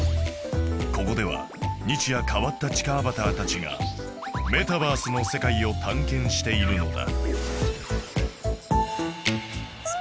ここでは日夜変わった地下アバターたちがメタバースの世界を探検しているのだ